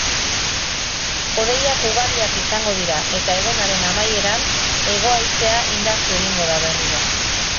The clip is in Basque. Hodeiak ugariak izango dira eta egunaren amaieran hego-haizea indartu egingo da berriro.